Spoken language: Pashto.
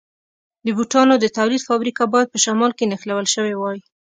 د بوټانو د تولید فابریکه باید په شمال کې نښلول شوې وای.